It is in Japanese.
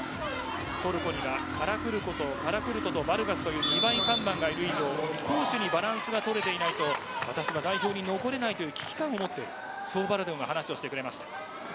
トルコにはカラクルトとバルガスという２枚看板がある以上攻守にバランスが取れていないと私は代表に残ることはできないとバラドゥンが話してくれました。